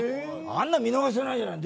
あんなの見逃せない。